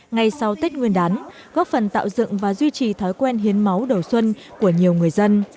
ngay sau tết nguyên đán góp phần tạo dựng và duy trì thói quen hiến máu đầu xuân của nhiều người dân